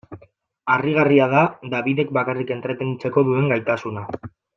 Harrigarria da Dabidek bakarrik entretenitzeko duen gaitasuna.